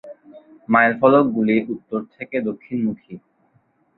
মাইলফলক গুলি উত্তর থেকে দক্ষিণমুখী